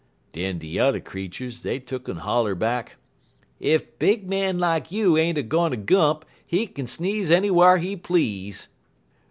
"Den de yuther creeturs, dey tuck'n holler back: "'Ef big man like you ain't a gone gump, he kin sneeze anywhar he please.'